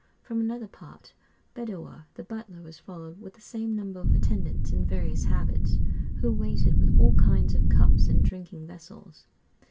From another part, Bedoer, the butler, was followed with the same number of attendants, in various habits, who waited with all kinds of cups and drinking vessels.